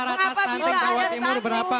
rata rata stunting jawa timur berapa